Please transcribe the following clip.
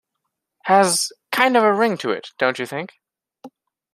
Has kind of a ring to it, don't you think?